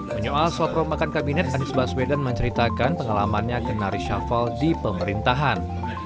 menyoal soal perumahan kabinet anies baswedan menceritakan pengalamannya genari syafal di pemerintahan